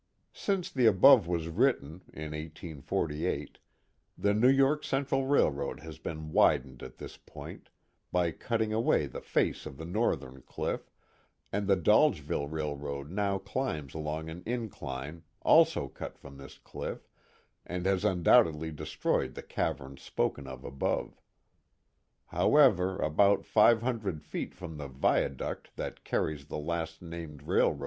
Since the above was written (in 1848) the New York Cen tral Railroad has been widened at this point, by cutting away the face of the northern cliff, and the Dolgeville Railroad now climbs along an incline, also cut from this cliff, and has un* doubtedly destroyed the cavern spoken of above. However, about five hundred feet from the viaduct that carries the last named railro^.